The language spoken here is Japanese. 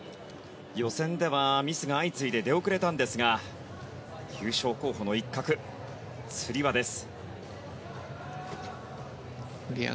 予選ではミスが相次いで出遅れたんですが優勝候補の一角、つり輪です。